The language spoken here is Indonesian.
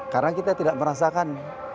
karena kita tidak merasakan